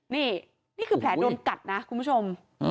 นี่นี่คือแผลโดนกัดนะคุณผู้ชม